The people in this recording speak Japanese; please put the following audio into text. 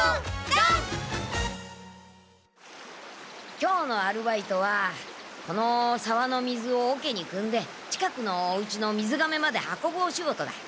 今日のアルバイトはこのさわの水をおけにくんで近くのおうちのみずがめまで運ぶお仕事だ。